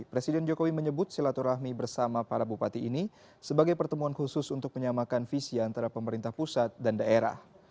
presiden jokowi menyebut silaturahmi bersama para bupati ini sebagai pertemuan khusus untuk menyamakan visi antara pemerintah pusat dan daerah